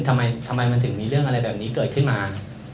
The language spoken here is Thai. ทำไมมันถึงมีเรื่องอะไรแบบนี้เกิดขึ้นมา